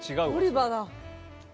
オリバだ。